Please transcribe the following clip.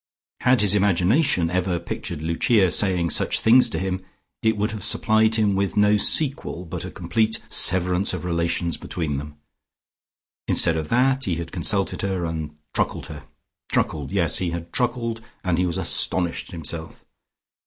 Had his imagination ever pictured Lucia saying such things to him, it would have supplied him with no sequel but a complete severance of relations between them. Instead of that he had consulted her and truckled to her: truckled: yes, he had truckled, and he was astonished at himself.